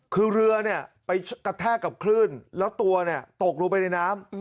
คือเรือเนี่ยไปกระแทกกับคลื่นแล้วตัวตกลงไปในน้ำ